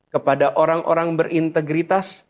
kepada orang orang berintegritas